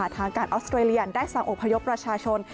ทางการออสเตรเลียได้สั่งอพยพประชาชน